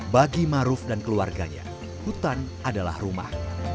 bagi maruf dan keluarganya hutan adalah rumah